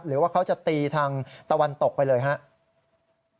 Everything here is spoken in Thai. หรือว่าเขาจะตีทางตะวันตกไปเลยครับ